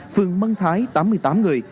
phường mân thái tám mươi tám người